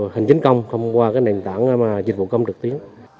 hành chính công không qua cái nền tảng dịch vụ công trực tiến